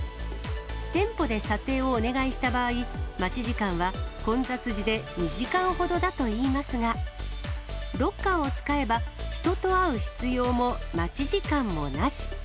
店舗で査定をお願いした場合、待ち時間は混雑時で２時間ほどだといいますが、ロッカーを使えば、人と会う必要も、待ち時間もなし。